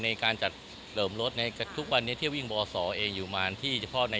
ในการจัดรองรับให้เพียงพอตั้งแต่วันนี้ก็เป็นต้นไป